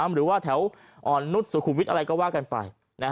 หรือว่าแถวอ่อนนุษย์สุขุมวิทย์อะไรก็ว่ากันไป